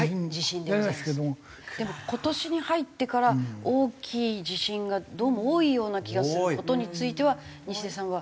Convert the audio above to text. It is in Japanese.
でも今年に入ってから大きい地震がどうも多いような気がする事については西出さんは？